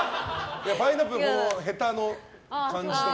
パイナップル、ヘタの感じとか。